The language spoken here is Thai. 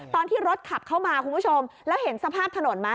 ตอนที่รถขับเข้ามาคุณผู้ชมแล้วเห็นสภาพถนนไหม